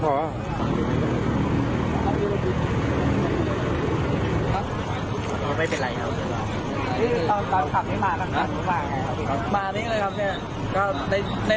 จากภาพีนาศาสตร์จีนประเทศ